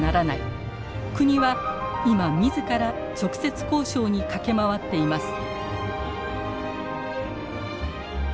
国は今自ら直接交渉に駆け回っています。